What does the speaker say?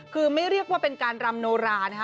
คือไม่เรียกว่าเป็นการรำโนรานะคะ